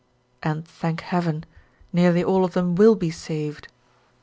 And, thank heaven, nearly all of them will be saved.